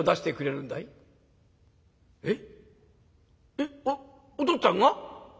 えっお父っつぁんが？